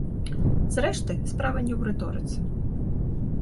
Зрэшты, справа не ў рыторыцы.